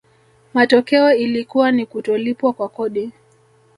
matokeo ilikuwa ni kutolipwa kwa kodi